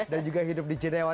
dan juga hidup di genewa